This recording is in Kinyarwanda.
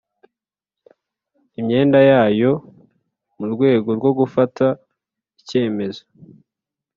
Imyenda yayo mu rwego rwo gufata icyemezo